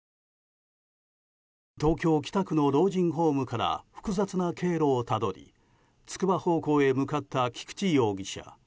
東京・北区の老人ホームから複雑な経路をたどりつくば方向へ向かった菊池容疑者。